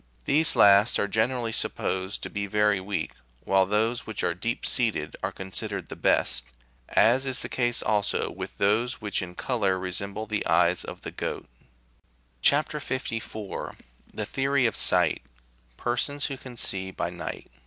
These last are g enerally supposed to be very weak, while those which are deep seated are considered the best, as is the case also with those which in colour resemble the eyes of the goat. CHAP. 54.— THE THEORY OF SIGHT— PERSONS WHO CAN SEE BY NIGHT.